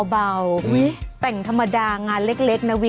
เบาแต่งธรรมดางานเล็กนะวี